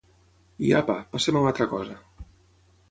I, apa, passem a una altra cosa.